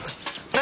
何？